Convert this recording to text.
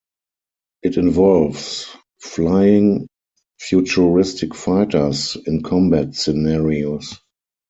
It involves flying futuristic fighters in combat scenarios.